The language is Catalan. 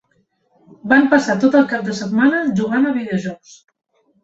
Van passar tot el cap de setmana jugant a videojocs.